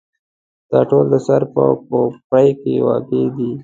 دا ټول د سر په کوپړۍ کې واقع دي.